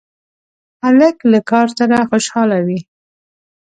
هلک له کار سره خوشحاله وي.